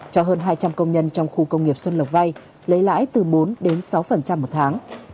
cho hơn hai trăm linh công nhân trong khu công nghiệp xuân lộc vay lấy lãi từ bốn đến sáu một tháng